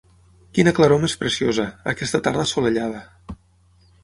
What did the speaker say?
Quina claror més preciosa, aquesta tarda assolellada!